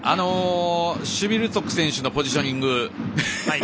シュヴィルツォク選手のポジショニング。